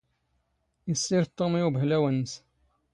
ⵉⵙⵙⵉⵔⴷ ⵜⵓⵎ ⵉ ⵓⴱⵍⵀⴰⵡ ⵏⵏⵙ.